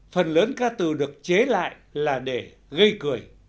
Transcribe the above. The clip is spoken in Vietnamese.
phần lớn ca từ được chế lại là để gây cười